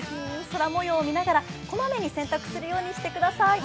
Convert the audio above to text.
空もよう見ながらこまめに洗濯するようにしてください。